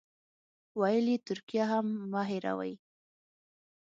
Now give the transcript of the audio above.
ویل یې ترکیه هم مه هېروئ.